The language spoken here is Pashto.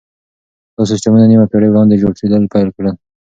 دا سيستمونه نيمه پېړۍ وړاندې جوړېدل پيل کړل.